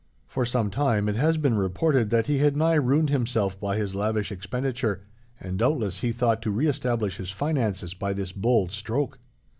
For some time, it has been reported that he had nigh ruined himself by his lavish expenditure, and doubtless he thought to reestablish his finances by this bold stroke.